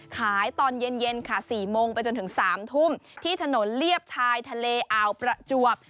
ขายตอนเย็นเย็นค่ะสี่โมงไปจนถึงสามทุ่มที่ถนนเลียบชายทะเลอาประจวบ